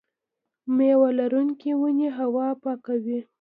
میوه لرونکې ونې هوا پاکوي.